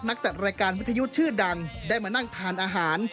จัดรายการวิทยุชื่อดังได้มานั่งทานอาหาร